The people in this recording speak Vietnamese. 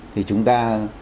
thì chúng ta